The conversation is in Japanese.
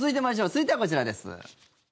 続いてはこちらです。